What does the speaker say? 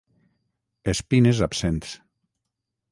Espines absents.